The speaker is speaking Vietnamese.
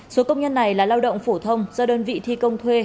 số công nhân này là lao động phổ thông do đơn vị thi công thuê